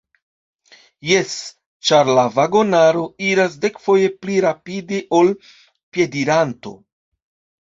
Jes, ĉar la vagonaro iras dekfoje pli rapide ol piediranto.